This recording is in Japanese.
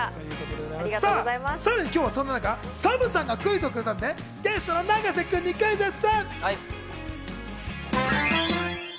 さらに今日はそんな中、ＳＡＭさんがクイズをくれたので、ゲストの永瀬君にクイズッス！